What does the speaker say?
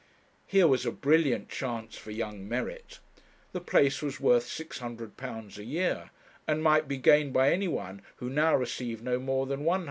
Here was a brilliant chance for young merit! The place was worth £600 a year, and might be gained by any one who now received no more than £100.